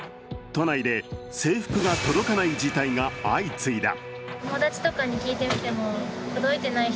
都内で制服が届かない事態が相次いだ。